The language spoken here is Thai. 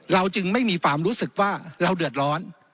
จึงไม่มีความรู้สึกว่าเราเดือดร้อน